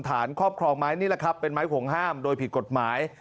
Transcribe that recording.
ครอบครองไม้นี่แหละครับเป็นไม้ห่วงห้ามโดยผิดกฎหมาย